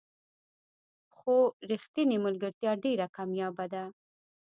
خو رښتینې ملګرتیا ډېره کمیابه ده.